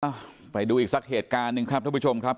เอ่อไปดูอีกศักดิ์เหตุการณ์หนึ่งครับทุกผู้ชมครับ